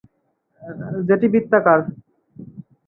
যেটি বৃত্তাকার।